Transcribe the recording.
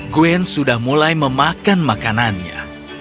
gwen sudah mulai memakan makanannya